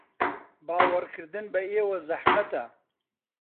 باوەڕکردن بە ئێوە زەحمەتە.